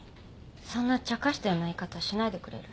そんなちゃかしたような言い方しないでくれる？